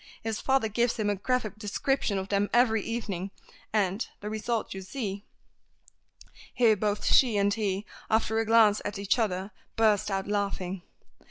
His father gives him a graphic description of them every evening, and the result you see." Here both she and he, after a glance at each other, burst out laughing.